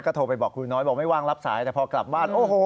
โทรไปบอกครูน้อยบอกไม่ว่างรับสายแต่พอกลับบ้านโอ้โห